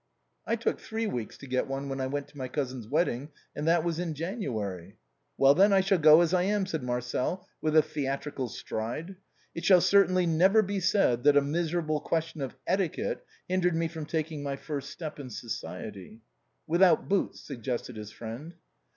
" I took three weeks to get one when I went to my cousin's wedding, and that was in January." "Well, then, I shall go as I am," said Marcel, with a theatrical stride. " It shall certainly never be said that a miserable question of etiquette hindered me from making my first step in society." " Without boots," suggested his friend.